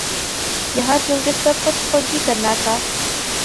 یہاں چونکہ سب کچھ خود ہی کرنا تھا